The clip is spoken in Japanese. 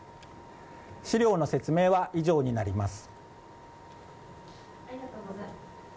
資料の説明は以上になります。